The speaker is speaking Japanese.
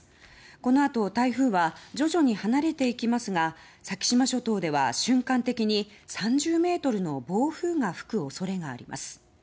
このあと台風は徐々に離れていきますが先島諸島では瞬間的に３０メートルの暴風が吹く恐れがあります。